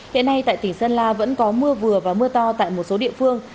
hiện nay tại tỉnh sơn la vẫn có mưa vừa và mưa to tại một số địa phương